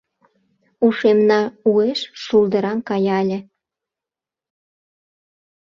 ушемна уэш шулдыраҥ кая ыле.